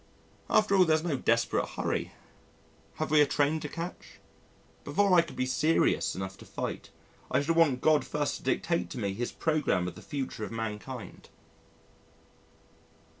After all there is no desperate hurry. Have we a train to catch? Before I could be serious enough to fight, I should want God first to dictate to me his programme of the future of mankind.